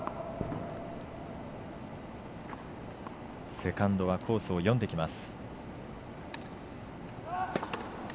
セカンドはコースを読んできます。